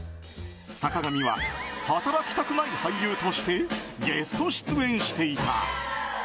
坂上は働きたくない俳優としてゲスト出演していた。